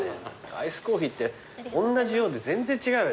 アイスコーヒーっておんなじようで全然違うよね。